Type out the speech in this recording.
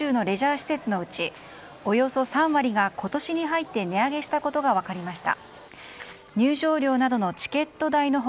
国内のレジャー施設の３割が今年に入って値上げしていることが分かりました。